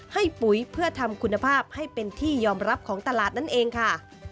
ปุ๋ยเพื่อทำคุณภาพให้เป็นที่ยอมรับของตลาดนั่นเองค่ะ